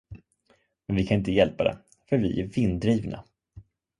Men vi kan inte hjälpa det, för vi är vinddrivna.